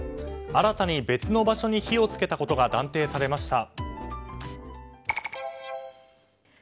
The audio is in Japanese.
新たに別の場所に火を付けたことが断定されました。